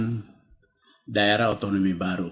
menolakan daerah otonomi baru